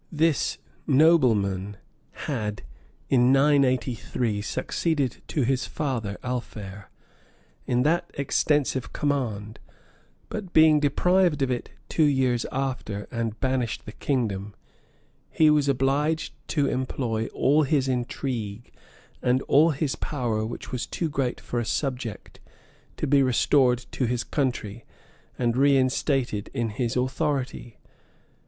This nobleman had, in 983, succeeded to his father, Alfere, in that extensive command; but, being deprived of it two years after, and banished the kingdom, he was obliged to employ all his intrigue, and all his power, which was too great for a subject, to be restored to his country, and reinstated in his authority.